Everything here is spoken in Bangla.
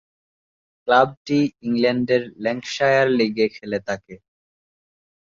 ক্লাবটি ইংল্যান্ডের ল্যাঙ্কাশায়ার লীগে খেলে থাকে।